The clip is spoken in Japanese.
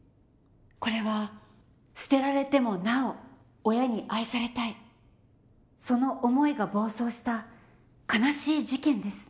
これは捨てられてもなお親に愛されたいその思いが暴走した悲しい事件です。